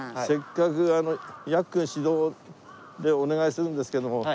せっかくヤッくん主導でお願いするんですけども。